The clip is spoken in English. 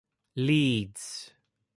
Leeds.